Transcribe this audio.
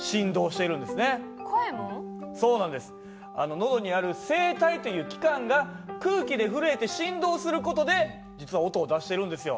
喉にある声帯という器官が空気で震えて振動する事で実は音を出してるんですよ。